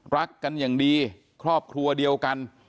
รักกันอย่างดีครอบครัวเดียวกัน